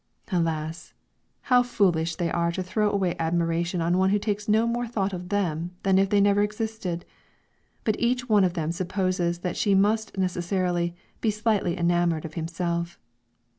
Alas, how foolish they are to throw away admiration on one who takes no more thought of them than if they never existed; but each one of them supposes that she must necessarily, be slightly enamoured of himself.